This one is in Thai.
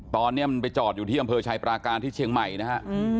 ตอนนี้มันไปจอดอยู่ที่อำเภอชายปราการที่เชียงใหม่นะฮะ